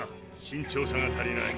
慎重さが足りない。